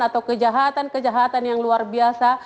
atau kejahatan kejahatan yang luar biasa